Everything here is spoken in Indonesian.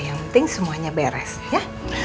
yang penting semuanya beres ya